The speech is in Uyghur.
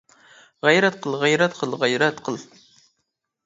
غەيرەت قىل، غەيرەت قىل، غەيرەت قىل!